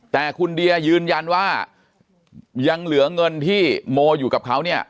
แต่คุณเดียยืนยันว่ายังเหลือเงินที่โมอยู่กับเขาเนี่ย